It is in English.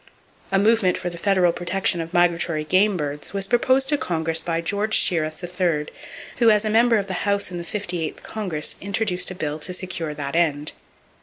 A movement for the federal protection of migratory game birds was proposed to Congress by George Shiras, 3rd, who as a member of the House in the 58th Congress introduced a bill to secure that end.